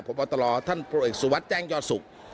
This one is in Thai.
ผมอาจจะตลอดท่านโปรเอกสุวรรคแจ้งยอสุก